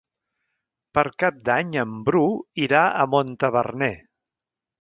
Per Cap d'Any en Bru irà a Montaverner.